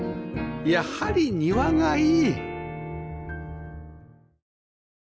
やはり庭がいい！